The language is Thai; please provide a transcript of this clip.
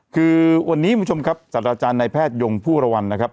คือวันนี้คุณผู้ชมครับสัตว์อาจารย์ในแพทยงผู้ระวรรณนะครับ